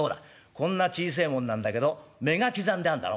こんな小せえもんなんだけど目が刻んであんだろ？